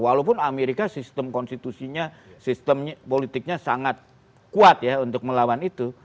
walaupun amerika sistem konstitusinya sistem politiknya sangat kuat ya untuk melawan itu